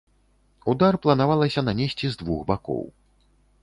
Удар планавалася нанесці з двух бакоў.